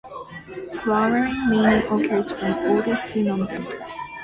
Flowering mainly occurs from August to November.